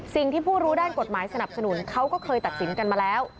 ผู้รู้ด้านกฎหมายสนับสนุนเขาก็เคยตัดสินกันมาแล้ว